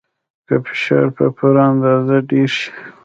که فشار په پوره اندازه ډیر شي.